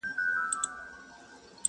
دا به څوک وي چي ستا مخي ته درېږي٫